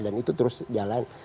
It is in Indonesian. dan itu terus jalan